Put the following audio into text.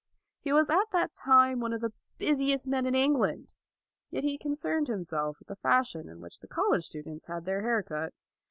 He was at that time one of the 220 LAUD busiest men in England, yet he concerned himself with the fashion in which the college students had their hair cut.